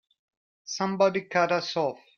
Somebody cut us off!